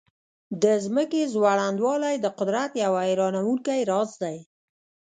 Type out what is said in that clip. د ځمکې ځوړندوالی د قدرت یو حیرانونکی راز دی.